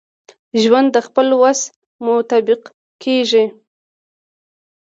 ژوند دخپل وس مطابق کیږي.